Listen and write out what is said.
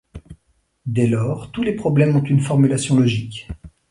Dès lors, tous les problèmes ont une formulation logique.